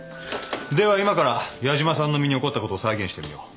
では今から矢島さんの身に起こったことを再現してみよう。